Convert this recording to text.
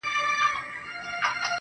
نوره به دي زه له ياده وباسم.